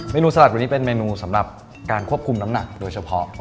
นูสลัดวันนี้เป็นเมนูสำหรับการควบคุมน้ำหนักโดยเฉพาะ